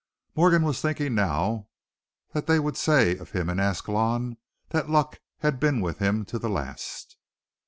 Morgan was thinking now that they would say of him in Ascalon that luck had been with him to the last.